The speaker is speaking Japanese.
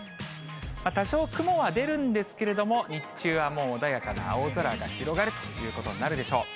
多少雲は出るんですけれども、日中はもう穏やかな青空が広がるということになるでしょう。